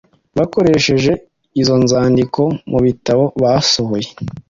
bakoresheje izo nzandiko mu bitabo basohoye